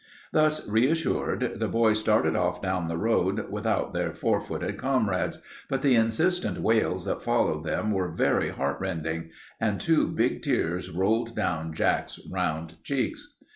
Thus reassured, the boys started off down the road without their four footed comrades, but the insistent wails that followed them were very heart rending, and two big tears rolled down Jack's round cheeks.